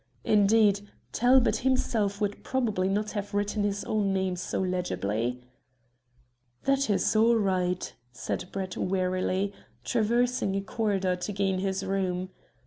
Indeed, Talbot himself would probably not have written his own name so legibly. "That is all right," said Brett wearily, traversing a corridor to gain his room.